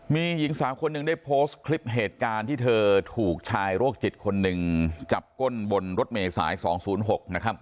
มีหญิงสาวคนหนึ่งได้โพสต์คลิปเหตุการณ์ที่เธอถูกชายโรคจิตคนหนึ่งจับก้นบนรถเมษาย๒๐๖นะครับ